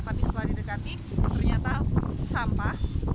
tapi setelah didekati ternyata sampah